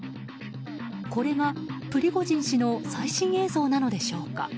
これがプリゴジン氏の最新映像なのでしょうか。